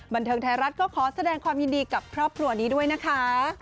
บันเทิงไทยรัฐก็ขอแสดงความยินดีกับครอบครัวนี้ด้วยนะคะ